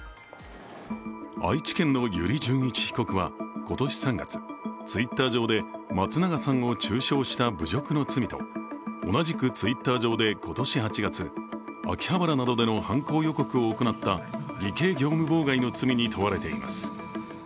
愛知県の油利潤一被告は今年３月、Ｔｗｉｔｔｅｒ上で松永さんを中傷した侮辱の罪と、同じくＴｗｉｔｔｅｒ上で今年８月、秋葉原などでの犯行予告を行った偽計業務妨害の罪に問われています。